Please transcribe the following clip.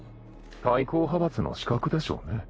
対抗派閥の刺客でしょうね